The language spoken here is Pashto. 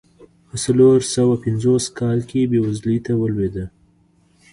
په څلور سوه پنځوس کال کې بېوزلۍ ته ولوېده.